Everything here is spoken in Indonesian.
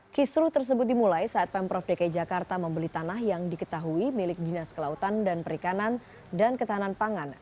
kisru tersebut dimulai saat pemprov dki jakarta membeli tanah yang diketahui milik dinas kelautan dan perikanan dan ketahanan pangan